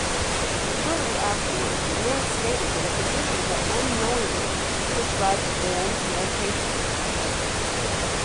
Shortly afterward, Ramirez stated that a physician had unknowingly prescribed a banned medication.